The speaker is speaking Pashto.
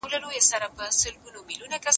زه به د هنرونو تمرين کړی وي!